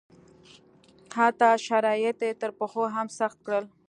حتی شرایط یې تر پخوا هم سخت کړل.